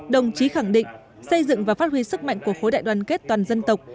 đồng chí khẳng định xây dựng và phát huy sức mạnh của khối đại đoàn kết toàn dân tộc